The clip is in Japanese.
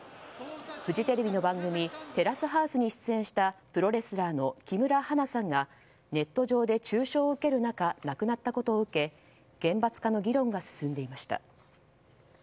フジテレビの番組「テラスハウス」に出演したプロレスラーの木村花さんがネット上で中傷を受ける中亡くなったことを受け厳罰化の議論が進んでいました。